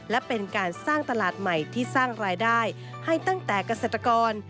และเป็นการสร้างตลาดใหม่ที่สร้างรายได้ให้ตั้งแต่เกษตรกร